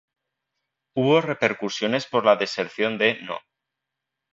Hubo repercusiones por la deserción de No.